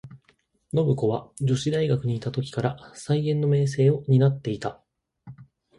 信子は女子大学にゐた時から、才媛の名声を担ってゐた。